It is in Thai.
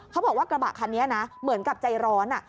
เขาบอกว่ากระบะคันนี้นะเหมือนกับใจร้อน